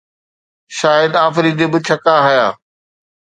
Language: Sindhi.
شاهد آفريدي ٻه ڇڪا هنيا